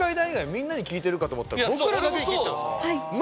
みんなに聞いてるかと思ったら僕らだけに聞いてたんですか？